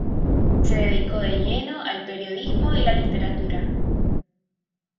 Se dedicó de lleno al periodismo y la literatura.